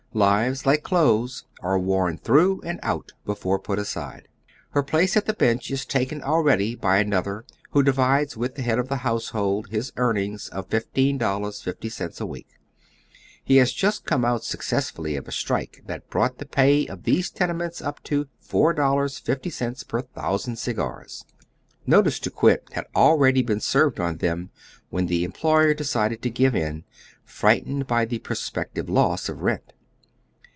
Lives, like clothes, are worn through and out be fore pnt aside. Her place at the bench is taken already by another who divides with the head of the household his earnings of $15,50 a week. He has just eoine out eue cesaful of a strike, that bronght the pay of these tene ments np to $4.50 per thousand cigars. Notice to quit had already been served on them, when the employer decided to give in, frightened by the prospective loss of rent.